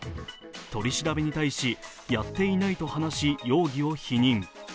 取り調べに対し、やっていないと話し容疑を否認。